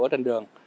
ở trên đường